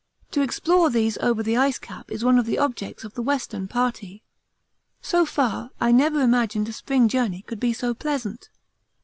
To explore these over the ice cap is one of the objects of the Western Party. So far, I never imagined a spring journey could be so pleasant.